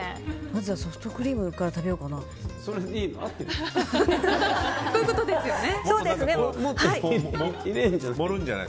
まずはソフトクリームから食べようかな。